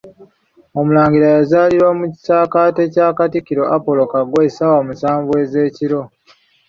Omulangira yazaalirwa mu kisaakate kya Katikkiro Apolo Kaggwa essaawa musanvu ez'ekiro.